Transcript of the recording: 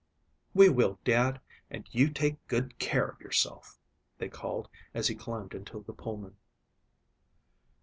"We will Dad and you take good care of yourself," they called as he climbed into the Pullman.